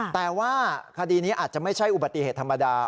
แต่ว่าคดีนี้อาจจะไม่ใช่อุบัติเหตุธรรมดา